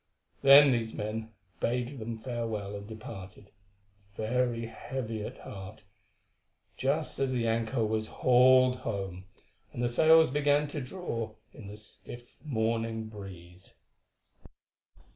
Then these men bade them farewell and departed, very heavy at heart, just as the anchor was hauled home, and the sails began to draw in the stiff morning breeze.